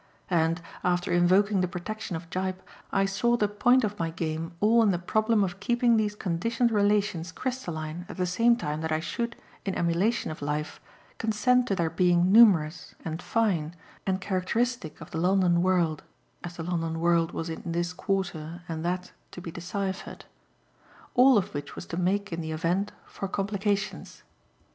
And, after invoking the protection of Gyp, I saw the point of my game all in the problem of keeping these conditioned relations crystalline at the same time that I should, in emulation of life, consent to their being numerous and fine and characteristic of the London world (as the London world was in this quarter and that to be deciphered). All of which was to make in the event for complications.